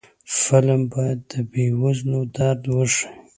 فلم باید د بې وزلو درد وښيي